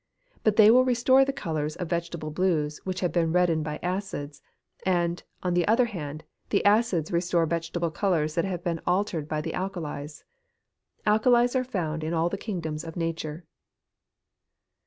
But they will restore the colours of vegetable blues which have been reddened by acids; and, on the other hand, the acids restore vegetable colours that have been altered by the alkalies. Alkalies are found in all the kingdoms of nature.